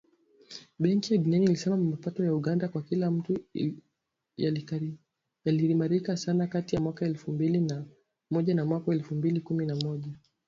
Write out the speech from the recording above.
Benki ya Dunia ilisema mapato ya Uganda kwa kila mtu yaliimarika sana kati ya mwaka elfu mbili na moja na mwaka elfu mbili kumi na moja